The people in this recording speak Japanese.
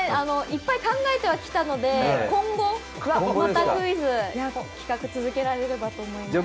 いっぱい考えてはきたので今後、またクイズ企画が続けられればと思います。